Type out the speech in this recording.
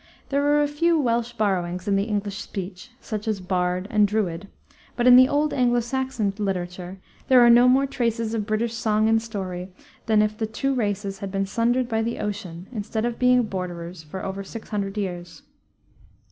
There are a few Welsh borrowings in the English speech, such as bard and druid; but in the old Anglo Saxon literature there are no more traces of British song and story than if the two races had been sundered by the ocean instead of being borderers for over six hundred years.